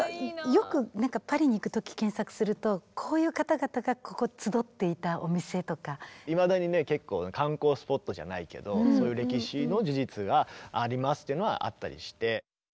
よくパリに行く時検索するといまだにね結構観光スポットじゃないけど「そういう歴史の事実があります」というのはあったりして。